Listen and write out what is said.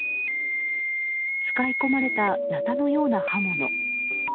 使い込まれたなたのような刃物。